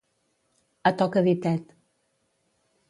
A toca ditet.